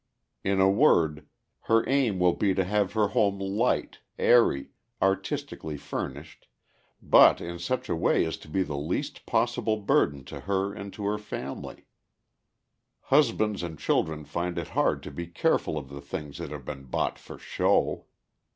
In a word, her aim will be to have her home light, airy, artistically furnished, but in such a way as to be the least possible burden to her and to her family. Husbands and children find it hard to be careful of the things that have been bought for show.